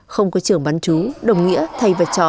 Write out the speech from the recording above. không có trường bán chú đồng nghĩa thầy vật trò